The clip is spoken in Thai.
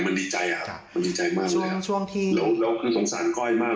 มันดีใจอ่ะมันดีใจมากเลยครับแล้วคือสงสารก้อยมาก